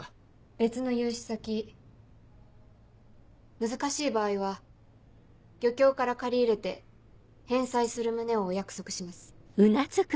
別の融資先難しい場合は漁協から借り入れて返済する旨をお約束します。